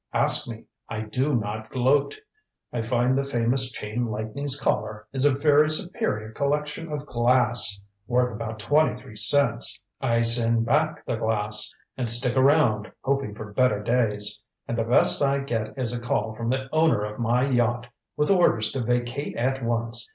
Ask me. I do not gloat. I find the famous Chain Lightning's Collar is a very superior collection of glass, worth about twenty three cents. I send back the glass, and stick around, hoping for better days. And the best I get is a call from the owner of my yacht, with orders to vacate at once.